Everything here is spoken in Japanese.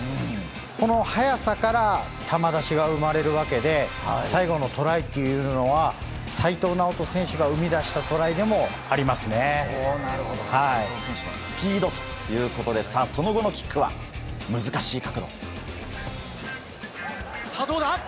この速さから球出しが生まれるわけで最後のトライというのは齋藤直人選手が生み出したスピードということでその後のキックは難しい角度から。